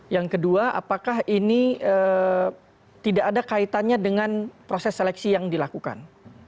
yang kedua apakah ini tidak ada kaitannya dengan proses seleksi yang dilakukan